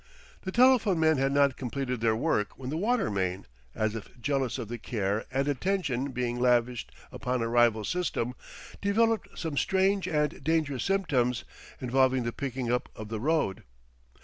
The telephone men had not completed their work when the water main, as if jealous of the care and attention being lavished upon a rival system, developed some strange and dangerous symptoms, involving the picking up of the road.